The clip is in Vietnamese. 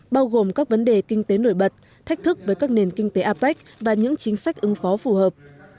bao gồm các vấn đề kinh tế nổi bật thách thức với các nền kinh tế apec và những chính sách ứng phó phù hợp